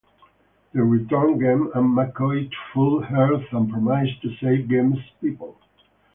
They return Gem and McCoy to full health, and promise to save Gem's people.